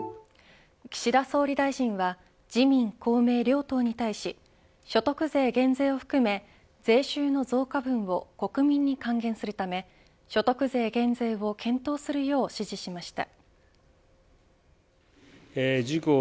岸田総理大臣は自民、公明両党に対し所得税減税を含め税収の増加分を国民に還元するため所得税減税を検討するよう指示しました。